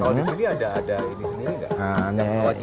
kalau di sini ada ini ini enggak